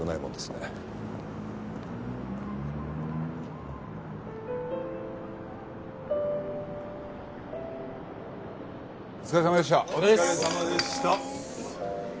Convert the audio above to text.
お疲れさまでした。